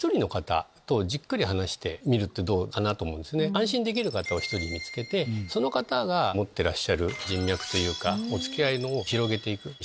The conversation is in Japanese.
安心できる方を１人見つけてその方が持ってらっしゃる人脈というかお付き合いを広げていく。